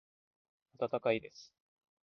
温かいです。